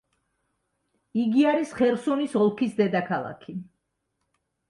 იგი არის ხერსონის ოლქის დედაქალაქი.